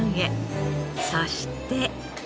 そして。